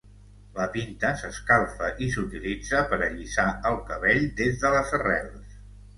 La pinta s'escalfa i s'utilitza per allisar el cabell des de les arrels.